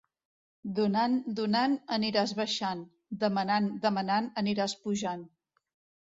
Donant, donant, aniràs baixant; demanant, demanant, aniràs pujant.